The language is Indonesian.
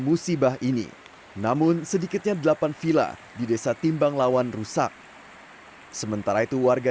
musibah ini namun sedikitnya delapan villa di desa timbang lawan rusak sementara itu warga